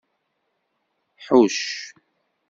Hucc.